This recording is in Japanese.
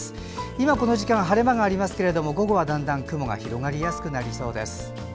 今、この時間は晴れ間がありますが午後はだんだん雲が広がりやすくなりそうです。